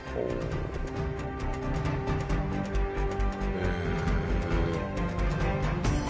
へえ。